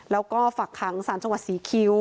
แล้วก็ฝักขังสารจังหวัดศรีคิ้ว